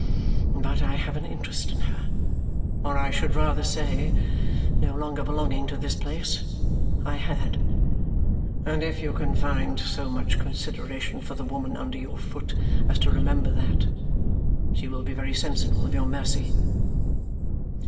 But I have an interest in her, or I should rather say no longer belonging to this place I had, and if you can find so much consideration for the woman under your foot as to remember that, she will be very sensible of your mercy."